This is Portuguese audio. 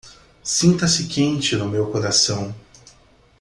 Sinta-se quente no meu coração